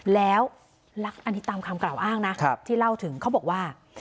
แล้วอันนี้ตามคำกล่าวอ้างนะที่เล่าถึงเขาบอกว่า